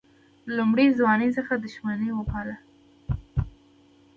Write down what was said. له لومړۍ ځوانۍ څخه دښمني وپالل.